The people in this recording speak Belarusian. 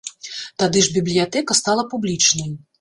Тады ж бібліятэка стала публічнай.